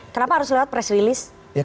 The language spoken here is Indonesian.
kenapa harus lewat press release